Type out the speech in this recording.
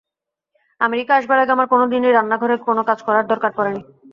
America আসবার আগে আমার কোনো দিনই রান্নাঘরের কোনো কাজ করবার দরকার পড়েনি।